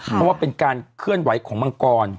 เพราะว่าเป็นการเคลื่อนไหวของมังกร